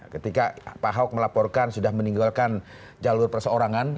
ketika pak ahok melaporkan sudah meninggalkan jalur perseorangan